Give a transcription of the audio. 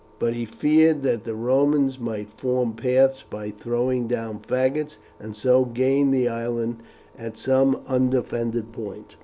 But he feared that the Romans might form paths by throwing down faggots, and so gain the island at some undefended point.